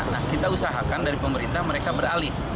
nah kita usahakan dari pemerintah mereka beralih